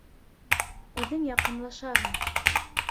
Үҙең яҡынлашаһың!